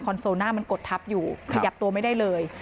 โซน่ามันกดทับอยู่ขยับตัวไม่ได้เลย